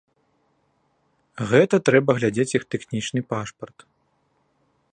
Гэта трэба глядзець іх тэхнічны пашпарт.